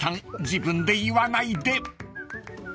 自分で言わないで］